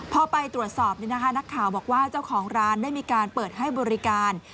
พอไปตรวจสอบนักข่าวบอกว่าเจ้าของร้านได้มีการเปิดให้บริการ